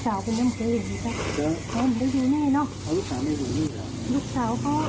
เชิญกับโดยได้อ๋อมันไว้ดูนี้เนอะเออสาวไม่ได้ดูนี้แหละ